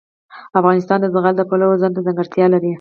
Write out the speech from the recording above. افغانستان د زغال د پلوه ځانته ځانګړتیا لري.